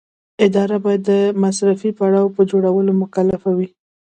اداره باید د مصرفي راپور په جوړولو مکلفه وي.